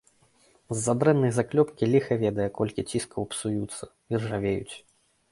З-за дрэннай заклёпкі ліха ведае колькі ціскоў псуюцца, іржавеюць.